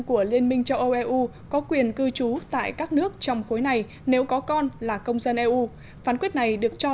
của liên minh châu âu eu